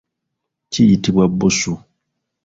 Kiyitibwa bbusu.